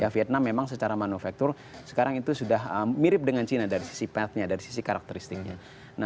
vietnam memang secara manufaktur sekarang itu sudah mirip dengan china dari sisi pet nya dari sisi karakteristiknya